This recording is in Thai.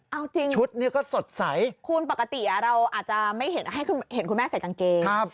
เอาจริงคุณปกติเราอาจจะไม่เห็นให้คุณแม่ใส่กางเกงครับ